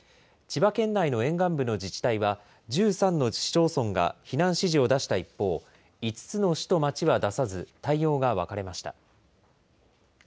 千葉県内の沿岸部の自治体は、１３の市町村が避難指示を出した一方、５つの市と町は出さず、対応が分かれました。